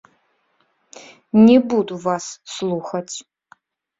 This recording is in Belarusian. Не буду вас слухаць.